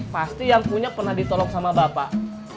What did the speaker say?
pasti yang punya pernah ditolong sama bapak